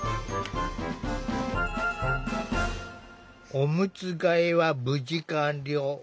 おむつ替えは無事完了。